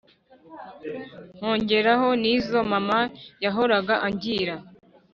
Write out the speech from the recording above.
nkongeraho n’izo mama yahoraga angira,